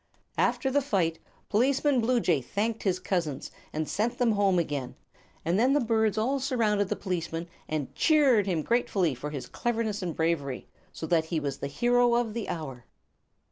After the fight Policeman Bluejay thanked his cousins and sent them home again, and then the birds all surrounded the policeman and cheered him gratefully for his cleverness and bravery, so that he was the hero of the hour.